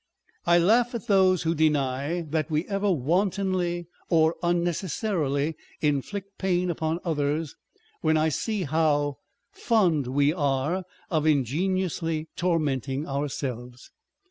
I laugh at those who deny that we ever wantonly or unnecessarily inflict pain upon others, when I see how On Depth and Superficiality. 491 fond we are of ingeniously tormenting ourselves.